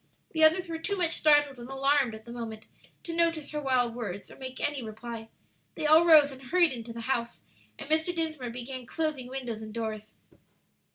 The others were too much startled and alarmed at the moment to notice her wild words or make any reply. They all rose and hurried into the house, and Mr. Dinsmore began closing windows and doors.